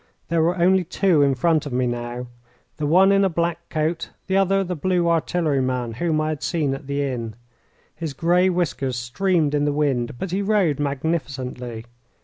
There were only two in front of me now: the one in a black coat, the other the blue artilleryman whom I had seen at the inn. His grey whiskers streamed in the wind, but he rode magnificently.